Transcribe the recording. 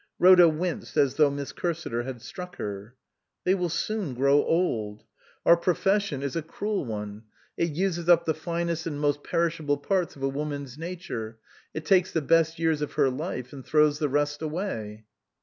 Rhoda winced as though Miss Cursiter had struck her. " They will soon grow old. Our profession is 313 SUPERSEDED a cruel one. It uses up the finest and most perishable parts of a woman's nature. It takes the best years of her life and throws the rest away."